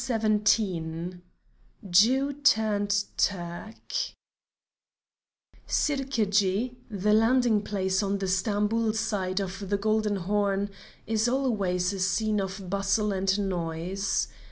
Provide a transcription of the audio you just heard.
JEW TURNED TURK Sirkedji, the landing place on the Stamboul side of the Golden Horn, is always a scene of bustle and noise.